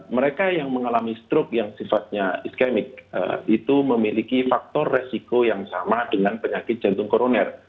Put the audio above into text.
mereka yang mengalami stroke yang sifatnya iskemik itu memiliki faktor resiko yang sama dengan penyakit jantung koroner